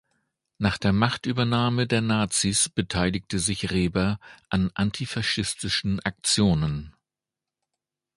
Nach der Machtübernahme der Nazis beteiligte sich Reber an antifaschistischen Aktionen.